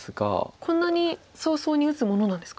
こんなに早々に打つものなんですか。